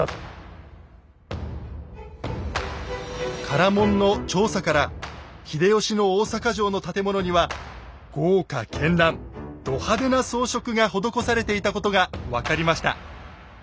唐門の調査から秀吉の大坂城の建物には豪華絢爛ド派手な装飾が施されていたことが分かりました。